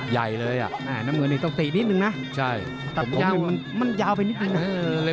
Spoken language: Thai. ไยเลยอะน้ำเงินนี้ต้องบี่ทีนิดนึงนะมันยาวไปนิดนึงนะ